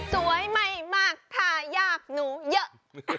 สวยไม่มากท่ายากหนูเยอะ